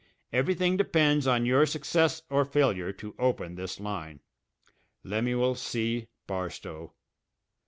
Everything depends on your success or failure to open this line. LEMUEL C. BARSTOW.